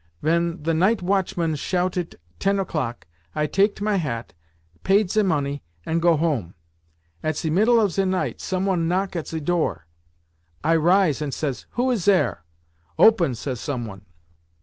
Ven the night watchman shoutet ten o'clock I taket my hat, paid ze money, and go home. At ze middle of ze night some one knock at ze door. I rise ant says, 'Who is zere?' 'Open!' says someone.